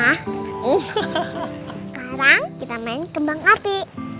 sekarang kita main kembang api